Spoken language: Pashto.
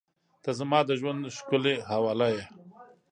• ته زما د ژونده ښکلي حواله یې.